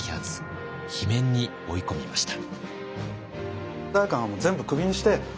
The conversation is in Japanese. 罷免に追い込みました。